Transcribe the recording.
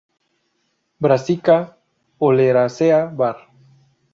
Brassica oleracea var.